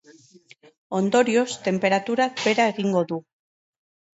Ondorioz, tenperaturak behera egingo du.